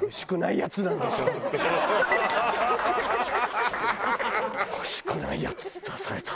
おいしくないやつ出された。